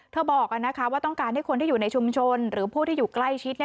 บอกว่าต้องการให้คนที่อยู่ในชุมชนหรือผู้ที่อยู่ใกล้ชิด